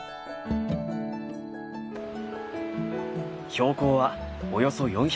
標高はおよそ４００メートル。